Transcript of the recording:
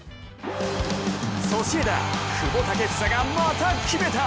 ソシエダ・久保建英がまた決めた！